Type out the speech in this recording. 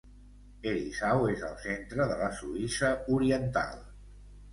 Herisau és al centre de la Suïssa oriental.